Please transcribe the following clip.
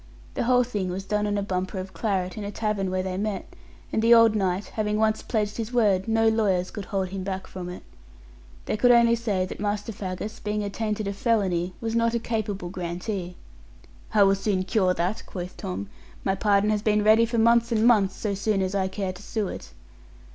The whole thing was done on a bumper of claret in a tavern where they met; and the old knight having once pledged his word, no lawyers could hold him back from it. They could only say that Master Faggus, being attainted of felony, was not a capable grantee. 'I will soon cure that,' quoth Tom, 'my pardon has been ready for months and months, so soon as I care to sue it.'